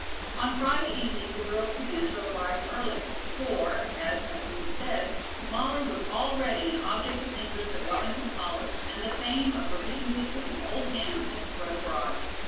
On Friday evening the girls began to arrive early, for, as has been said, Molly was already an object of interest at Wellington College, and the fame of her beaten biscuits and old ham had spread abroad.